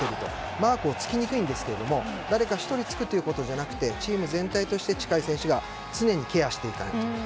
マークにつきにくいんですが誰か１人がつくんじゃなくてチーム全体として近い選手が常にケアしていかないといけない。